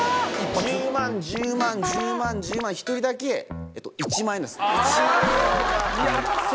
１０万１０万１０万１０万１人だけ１万円なんす。